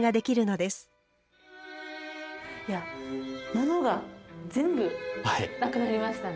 物が全部なくなりましたね。